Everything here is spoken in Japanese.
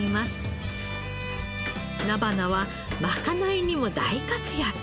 菜花は賄いにも大活躍。